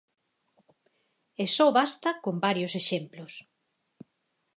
E só basta con varios exemplos.